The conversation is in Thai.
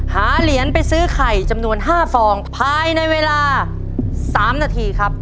หาเหรียญไปซื้อไข่จำนวน๕ฟองภายในเวลา๓นาทีครับ